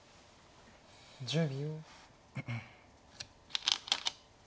１０秒。